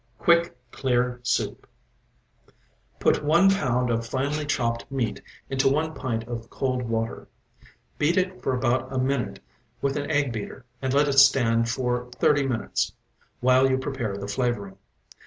QUICK CLEAR SOUP Put one pound of finely chopped meat into one pint of cold water, beat it for about a minute with an egg beater, and let it stand for thirty minutes, while you prepare the flavoring.